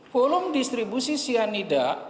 volume distribusi cyanida